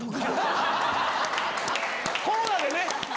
コロナでね。